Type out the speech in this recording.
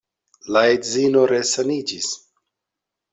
La edzino resaniĝis.